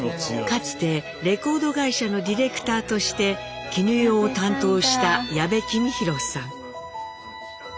かつてレコード会社のディレクターとして絹代を担当した矢部公啓さん。